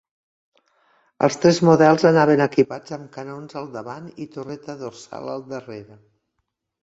Els tres models anaven equipats amb canons al davant i torreta dorsal al darrere.